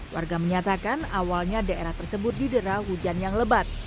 warga menyatakan awalnya daerah tersebut didera hujan yang lebat